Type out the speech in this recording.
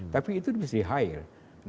tapi itu bisa di hire